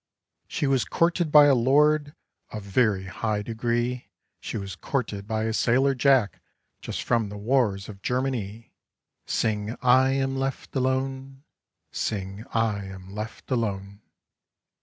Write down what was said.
She was courted by a lord Of very high degree, She was courted by a sailor Jack Just from the wars of Germany. Sing I am left alone, Sing I am left alone.